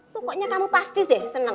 pokoknya kamu pasti deh senang